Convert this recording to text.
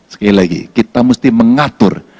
sekali lagi kita mesti mengatur